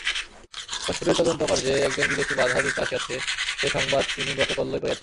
ঘোষপুরের তদন্তকার্যে একজন বিদেশী বাধা দিতে আসিয়াছে সে সংবাদ তিনি গতকল্যই পাইয়াছিলেন।